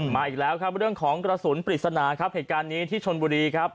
อีกแล้วครับเรื่องของกระสุนปริศนาครับเหตุการณ์นี้ที่ชนบุรีครับ